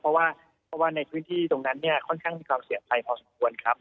เพราะว่าเพราะว่าในพื้นที่ตรงนั้นเนี่ยค่อนข้างมีความเสียใจพอสมควรครับ